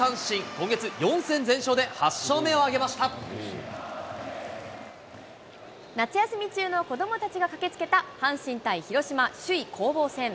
今月４戦全勝で８勝目を挙げまし夏休み中の子どもたちが駆けつけた、阪神対広島、首位攻防戦。